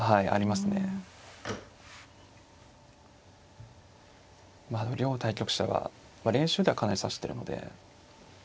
まあ両対局者は練習ではかなり指してるので。